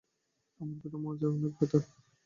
আমার পিঠ, মাজা অনেক ব্যথা করে।